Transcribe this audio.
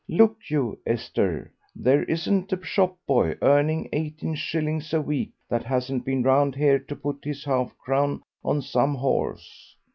Look you, Esther, there isn't a shop boy earning eighteen shillings a week that hasn't been round here to put his half crown on some horse.